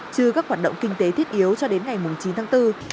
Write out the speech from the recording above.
trừ các hoạt động kinh tế thiết yếu cho đến ngày chín tháng bốn